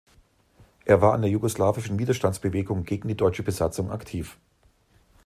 Er war in der jugoslawischen Widerstandsbewegung gegen die deutsche Besatzung aktiv.